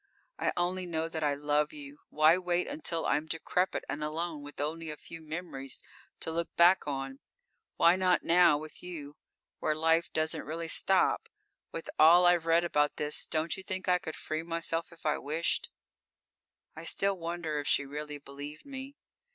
I only know that I love you. Why wait until I'm decrepit and alone, with only a few memories to look back on? Why not now, with you, where life doesn't really stop? With all I've read about this, don't you think I could free myself if I wished?"_ _I still wonder if she really believed me.